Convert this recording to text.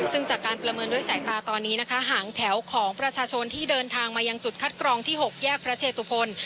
ซึ่งจากการประเมินด้วยสายตาตอนนี้นะคะหางแถวของประชาชนที่เดินทางมายังจุดคัดกรองที่๖แยกพระเชตุพล